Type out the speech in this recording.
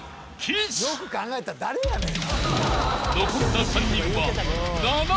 ［残った３人は］